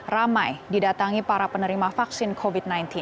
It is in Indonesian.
ramai didatangi para penerima vaksin covid sembilan belas